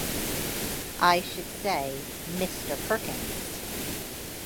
I should say Mr. Perkins.